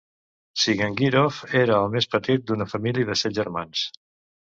Zigangirov era el més petit d'una família de set germans.